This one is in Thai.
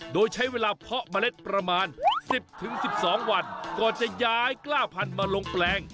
โดยใช้เวลาเพาะเมล็ดประมาณ๑๐๑๒วันก่อนจะย้ายกล้าพันธุ์มาลงแปลง